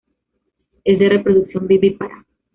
Es de reproducción vivípara.